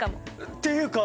っていうか